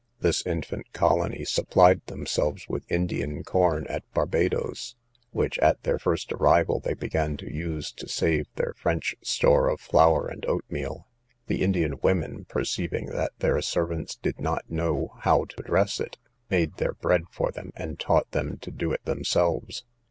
This infant colony supplied themselves with Indian corn at Barbadoes, which, at their first arrival, they began to use to save their French store of flour and oatmeal. The Indian women, perceiving that their servants did not know how to dress it, made their bread for them, and taught them to do it themselves.